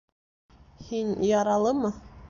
— Һин яралымы?